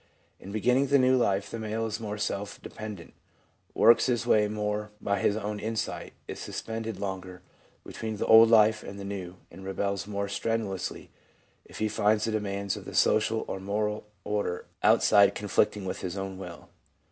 In begin ning the new life the male is more self dependent, works his way more by his own insight, is suspended longer between the old life and the new, and rebels more strenuously if he finds the demands of the social or moral order outside conflicting with his own will.